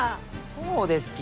そうですき！